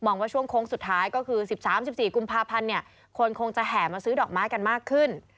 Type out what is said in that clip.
ว่าช่วงโค้งสุดท้ายก็คือ๑๓๑๔กุมภาพันธ์คนคงจะแห่มาซื้อดอกไม้กันมากขึ้น